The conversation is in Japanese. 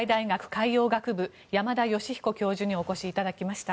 海洋学部山田吉彦教授にお越しいただきました。